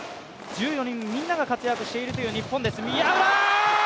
１４人みんなが活躍しているという日本です。